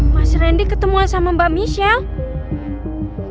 mas rendy ketemu sama mbak michelle